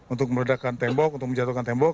untuk meledakan tembok untuk menjatuhkan tembok